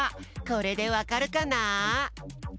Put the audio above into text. これでわかるかな？